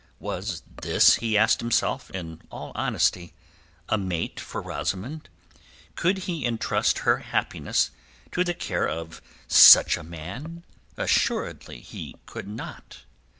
Was this, he asked himself in all honesty, a mate for Rosamund? Could he entrust her happiness to the care of such a man? Assuredly he could not.